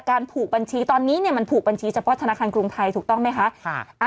ผูกบัญชีตอนนี้เนี่ยมันผูกบัญชีเฉพาะธนาคารกรุงไทยถูกต้องไหมคะ